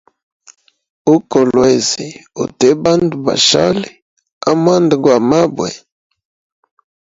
U kolwezi ute bandu bashali amwanda gwa mabwe.